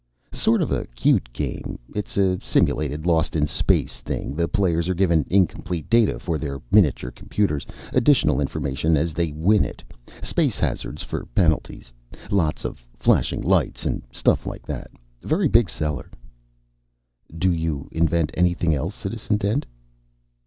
"Sort of a cute game. It's a simulated lost in space thing. The players are given incomplete data for their miniature computers, additional information as they win it. Space hazards for penalties. Lots of flashing lights and stuff like that. Very big seller." "Do you invent anything else, Citizen Dent?"